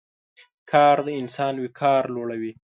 کار د انسان وقار لوړوي.